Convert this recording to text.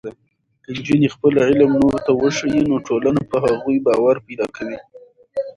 که نجونې خپل علم نورو ته وښيي، نو ټولنه په هغوی باور پیدا کوي.